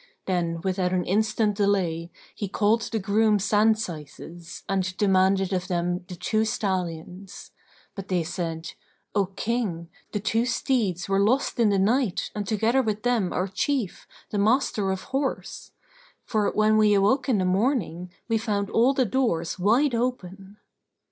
Then, without an instant delay, he called the groom sand syces and demanded of them the two stallions: but they said, "O King, the two steeds were lost in the night and together with them our chief, the Master of Horse; for, when we awoke in the morning, we found all the doors wide open."